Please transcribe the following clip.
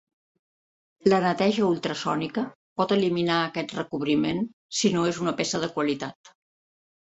La neteja ultrasònica pot eliminar aquest recobriment, si no és una peça de qualitat.